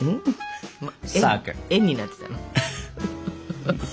円になってたの？